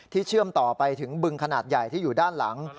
เชื่อมต่อไปถึงบึงขนาดใหญ่ที่อยู่ด้านหลัง